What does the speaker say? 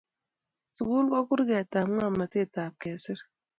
Sukul ko kurketap ngomnotet ak kesir